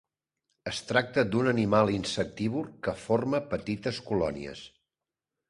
Es tracta d'un animal insectívor que forma petites colònies.